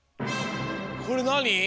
これなに？